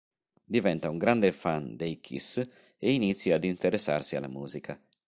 Diventa un grande fan dei Kiss e inizia ad interessarsi alla musica.